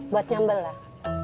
buat nyambel lah